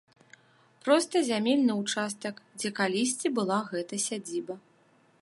Проста зямельны ўчастак, дзе калісьці была гэта сядзіба.